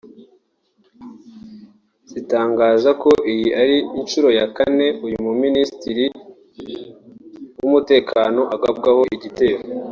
zitangaza ko iyi ari inshuro ya kane uyu Minisitiri w’Umutekano agabwaho igitero